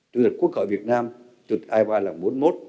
chủ tịch quốc hội việt nam chủ tịch ipa lần bốn mươi một